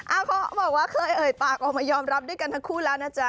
เขาบอกว่าเคยเอ่ยปากออกมายอมรับด้วยกันทั้งคู่แล้วนะจ๊ะ